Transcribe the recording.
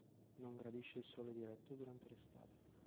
Non gradisce il sole diretto durante l'estate.